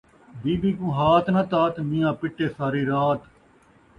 بی بی کوں ہات نہ تات، میاں پٹے ساری رات